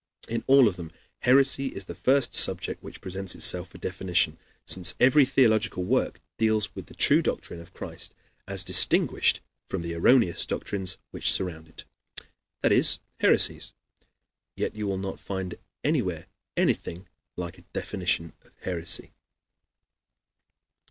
In all of them heresy is the subject which first presents itself for definition; since every theological work deals with the true doctrine of Christ as distinguished from the erroneous doctrines which surround it, that is, heresies. Yet you will not find anywhere anything like a definition of heresy.